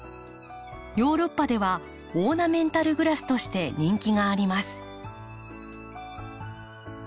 ヨーロッパではオーナメンタルグラスとして人気があります。